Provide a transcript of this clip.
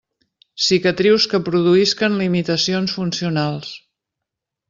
Cicatrius que produïsquen limitacions funcionals.